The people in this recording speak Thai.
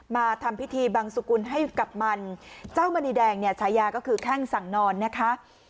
มาทำพิธีบังสุกุลให้กับมันเจ้ามณีแดงเนี่ยฉายาก็คือแข้งสั่งนอนนะคะ